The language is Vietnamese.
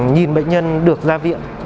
nhìn bệnh nhân được ra viện